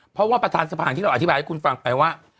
เพราะว่าประธานสภาที่เราอธิบายให้คุณฟังไปว่า